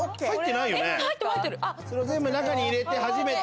全部中に入れて初めて。